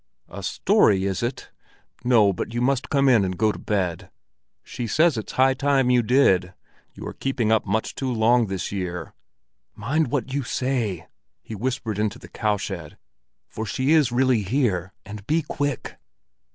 "A story, is it? No, but you must come in and go to bed; she says it's high time you did. You are keeping up much too long this year. Mind what you say," he whispered into the cowshed, "for she is really here! And be quick!"